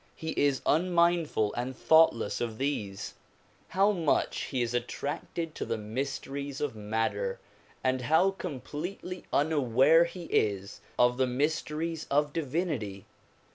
He is unmindful and thoughtless of these. How much he is attracted to the mysteries of matter and how completely unaware he is of the mysteries of divinity!